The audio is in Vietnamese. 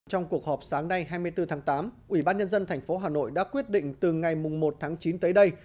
trong cuộc họp sáng nay hai mươi bốn tháng tám ubnd tp hà nội đã quyết định từ ngày một tháng chín tới đây